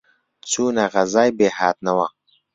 چوونە غەزای بێهاتنەوە،